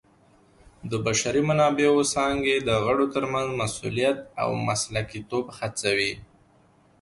د بشري منابعو څانګې د غړو ترمنځ مسؤلیت او مسلکیتوب هڅوي.